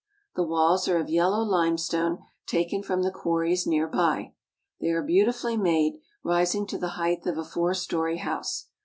The walls are of yellow limestone taken from the quarries near by. They are beautifully made, rising to the height of a four story house.